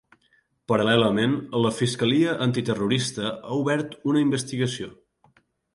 Paral·lelament, la fiscalia antiterrorista ha obert una investigació.